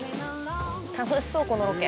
楽しそうこのロケ。